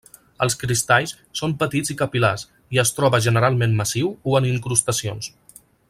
Els cristalls són petits i capil·lars, i es troba generalment massiu o en incrustacions.